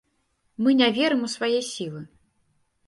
Мы не верым у свае сілы.